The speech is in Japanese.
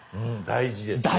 大事です。